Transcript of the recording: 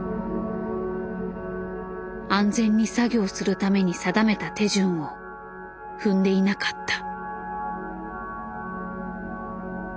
安全に作業するために定めた手順を踏んでいなかった。